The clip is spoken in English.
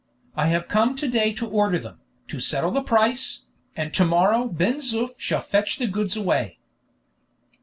I have come to day to order them, to settle the price, and to morrow Ben Zoof shall fetch the goods away."